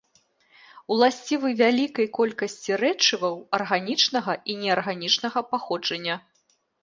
Уласцівы вялікай колькасці рэчываў арганічнага і неарганічнага паходжання.